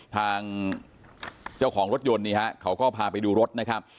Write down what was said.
ทางเจ้าของรถยนต์นี่ฮะเขาก็พาไปดูรถนะครับ